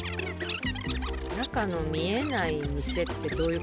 「中の見えない店」ってどういう事？